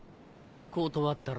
断ったら？